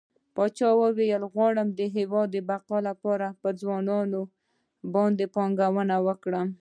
پاچا وويل غواړم د هيواد د بقا لپاره په ځوانانو باندې پانګونه وکړه.